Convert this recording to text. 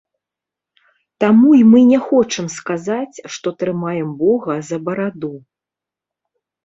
Таму і мы не хочам сказаць, што трымаем бога за бараду.